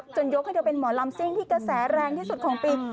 ยกให้เธอเป็นหมอลำซิ่งที่กระแสแรงที่สุดของปี